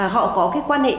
họ có cái quan hệ